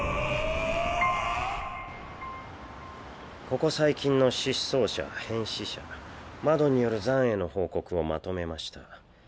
ここ最近の失踪者変死者「窓」による残穢の報告をまとめました。